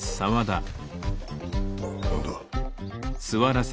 何だ？